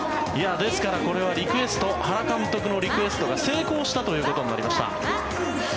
ですから、これは原監督のリクエストが成功したということになりました。